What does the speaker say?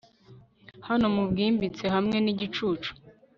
hano mubwimbitse hamwe nigicucu